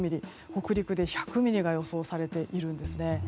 北陸で１００ミリが予想されているんですね。